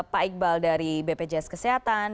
pak iqbal dari bpjs kesehatan